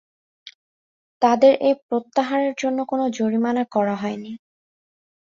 তাদের এ প্রত্যাহারের জন্য কোন জরিমানা করা হয়নি।